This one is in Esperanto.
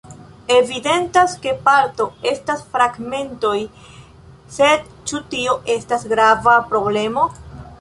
Evidentas, ke parto estas fragmentoj, sed ĉu tio estas grava problemo?